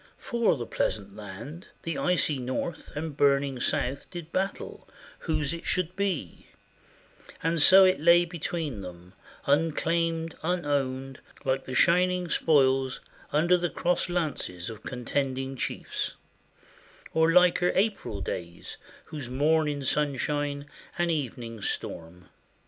For the pleasant land The icy North and burning South did battle Whose it should be; and so it lay between them Unclaimed, unowned, like the shining spoils Under crossed lances of contending chiefs; Or liker April days whose morn in sunshine And evening storm.